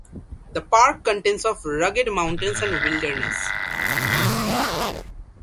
The park contains of rugged mountains and wilderness.